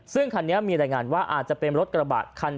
ซึ่งคันนี้มีรายงานว่าอาจจะเป็นรถกระบะคัน